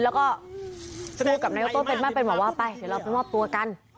แล้วก็พูดกับนายกโต้เป็นไม่เป็นบอกว่าไปเดี๋ยวเราไปมอบตัวกัน